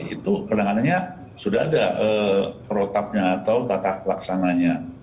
itu perkenanganannya sudah ada perotapnya atau tatah pelaksananya